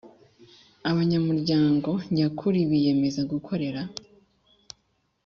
Abanyamuryango nyakuri biyemeza gukorera